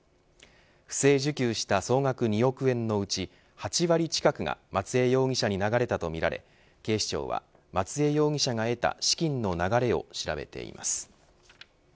不正受給した総額２億円のうち８割近くが松江容疑者に流れたとみられ警視庁は、松江容疑者が得た資金の流れを調べています。